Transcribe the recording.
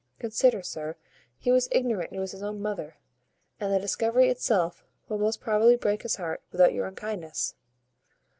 Consider, sir, he was ignorant it was his own mother; and the discovery itself will most probably break his heart, without your unkindness."